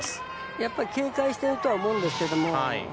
やっぱり、警戒をしてるとは思うんですけれども。